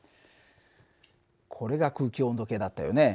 これが空気温度計だったよね。